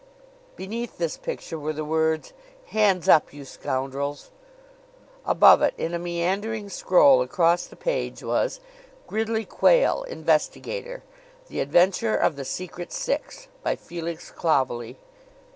Beneath this picture were the words: "Hands up, you scoundrels!" Above it, in a meandering scroll across the page, was: "Gridley Quayle, Investigator. The Adventure of the Secret Six. By Felix Clovelly."